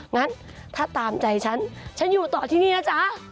งั้นถ้าตามใจฉันฉันอยู่ต่อที่นี่นะจ๊ะ